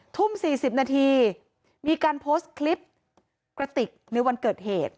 ทุ่ม๔๐นาทีมีการโพสต์คลิปกระติกในวันเกิดเหตุ